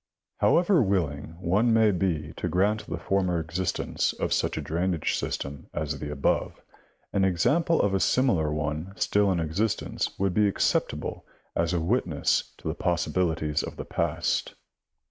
— However willing one may be to grant the former existence of such a drainage system as the above, an example of a similar one still in existence would be acceptable as a witness to the possibilities of the past.